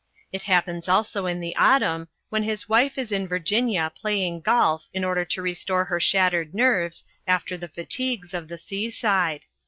It happens also in the autumn when his wife is in Virginia playing golf in order to restore her shattered nerves after the fatigues of the seaside.